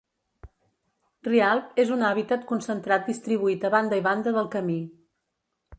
Rialb és un hàbitat concentrat distribuït a banda i banda del camí.